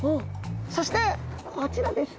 そしてこちらです。